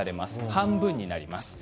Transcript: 半分になります。